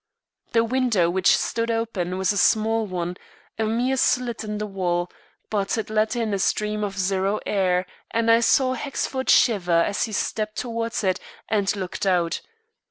The window which stood open was a small one, a mere slit in the wall; but it let in a stream of zero air and I saw Hexford shiver as he stepped towards it and looked out.